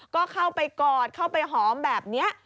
ก็เข้าไปกอดเข้าไปหอมแบบนี้